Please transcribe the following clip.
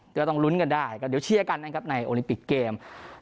ก็ต้องลุ้นกันได้ก็เดี๋ยวเชียร์กันนะครับในโอลิมปิกเกม